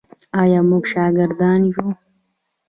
آیا موږ شاکران یو؟